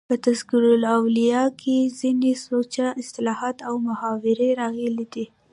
په "تذکرة الاولیاء" کښي ځيني سوچه اصطلاحات او محاورې راغلي دي.